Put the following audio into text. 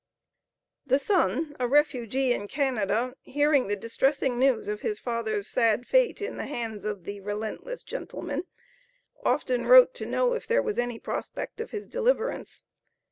The son, a refugee in Canada, hearing the distressing news of his father's sad fate in the hands of the relentless "gentlemen," often wrote to know if there was any prospect of his deliverance.